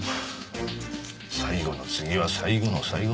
最後の次は最後の最後。